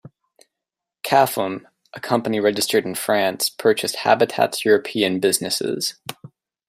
Cafom, a company registered in France, purchased Habitat's European businesses.